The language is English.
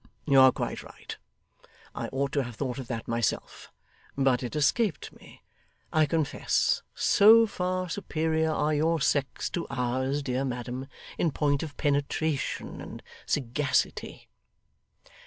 You are quite right. I ought to have thought of that myself, but it escaped me, I confess so far superior are your sex to ours, dear madam, in point of penetration and sagacity.